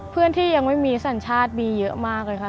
เพื่อนที่ยังไม่มีสัญชาติมีเยอะมากเลยค่ะ